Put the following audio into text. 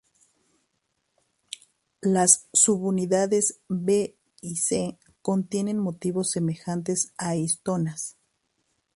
Las subunidades B y C contienen motivos semejantes a histonas.